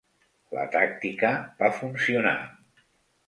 La tàctica va funcionar.